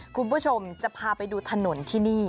คุณผู้ชมจะพาไปดูถนนที่นี่